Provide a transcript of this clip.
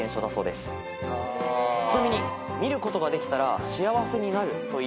ちなみに。